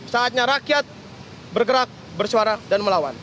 saatnya rakyat bergerak bersuara dan melawan